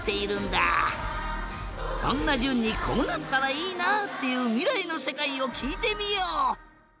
そんなじゅんにこうなったらいいなっていうみらいのせかいをきいてみよう。